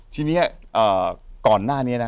ทีนี้ก่อนหน้านี้นะ